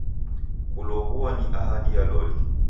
Kulow'ua ni ahadi ya loli.